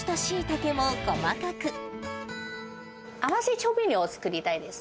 合わせ調味料を作りたいです。